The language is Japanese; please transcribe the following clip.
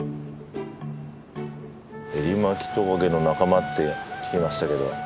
エリマキトカゲの仲間って聞きましたけど。